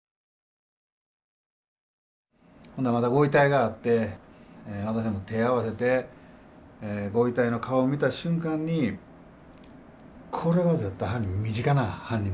ほんでまだご遺体があって私も手合わせてご遺体の顔見た瞬間にこれは絶対犯人身近な犯人だろうなと。